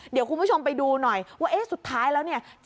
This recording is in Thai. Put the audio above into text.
เดี๋ยวคุณผู้ชมไปดูหน่อยว่าเอ๊ะสุดท้ายแล้วเนี่ย